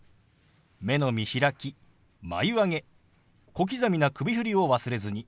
目の見開き眉上げ小刻みな首振りを忘れずに。